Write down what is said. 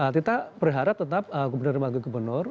kita berharap tetap gubernur dan wakil gubernur